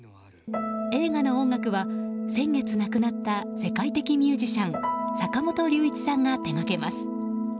映画の音楽は先月亡くなった世界的ミュージシャン坂本龍一さんが手がけます。